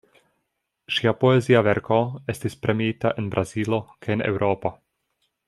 Ŝia poezia verko estis premiita en Brazilo kaj en Eŭropo.